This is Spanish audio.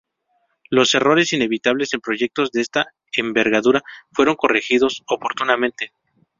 Los errores inevitables en proyectos de esta envergadura, fueron corregidos oportunamente.